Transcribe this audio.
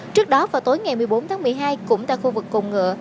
trước đó vào tối ngày một mươi bốn tháng một mươi hai cũng tại khu vực cồn ngựa